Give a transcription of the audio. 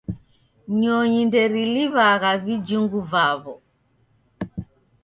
Nyonyi nderiliw'agha vijhungu vaw'o